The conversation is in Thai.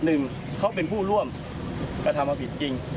หนึ่งเขาเป็นผู้ร่วมกระทำความผิดจริง